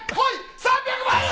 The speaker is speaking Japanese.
３００万円！